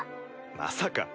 まさか。